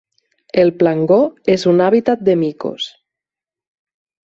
El plangó és un hàbitat de micos.